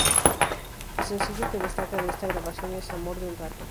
El sencillo que destaca de esta grabación es:"Amor de un rato".